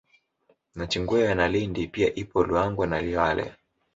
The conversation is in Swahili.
Nachingwea na Lindi pia ipo Luangwa na Liwale